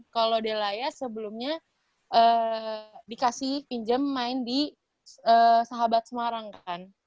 kalau delaya sebelumnya dikasih pinjam main di sahabat semarang kan